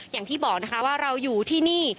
อย่างที่บอกนะคะว่าเราอยู่ที่นี่